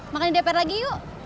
makan di dpr lagi yuk